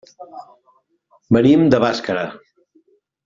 Venim de Bàscara.